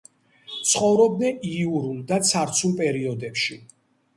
ცხოვრობდნენ იურულ და ცარცულ პერიოდებში.